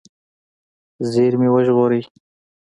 زېرمې ژغورئ.